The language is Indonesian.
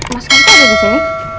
mas kamu ada di sini